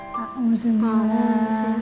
dan mas kawin tersebut tunai